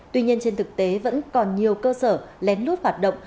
tuy nhiên trên thực tế vẫn còn nhiều cơ sở lén lút hoạt động